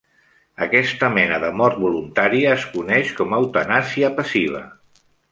Aquesta mena de mort voluntària es coneix com a eutanàsia passiva.